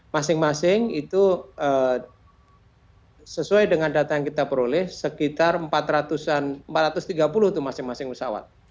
masing masing itu sesuai dengan data yang kita peroleh sekitar empat ratus tiga puluh itu masing masing pesawat